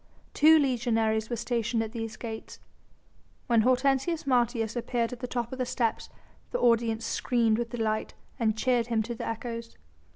Two legionaries were stationed at these gates. When Hortensius Martius appeared at the top of the steps the audience screamed with delight and cheered him to the echoes.